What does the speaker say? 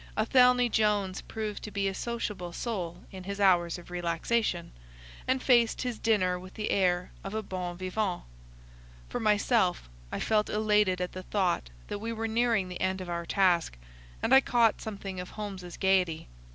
Athelney Jones proved to be a sociable soul in his hours of relaxation, and faced his dinner with the air of a bon vivant. For myself, I felt elated at the thought that we were nearing the end of our task, and I caught something of Holmes's gaiety.